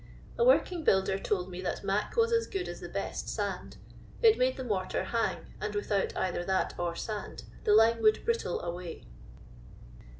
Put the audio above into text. A working builder told me that "mac " was as good as the best sand; it made the mortar " hang," and without either that or sand, the lime would '* brittle " away.